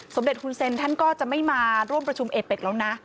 สมเด็จฮุนเซ็นท่านก็จะไม่มาร่วมประชุมเอเป็กแล้วนะ